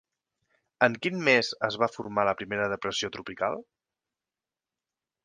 En quin mes es va formar la primera depressió tropical?